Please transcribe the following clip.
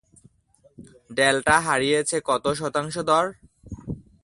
Delta হারিয়েছে কত শতাংশ দর?